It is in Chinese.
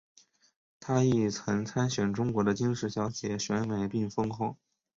她亦曾参选中国的金石小姐选美并封后。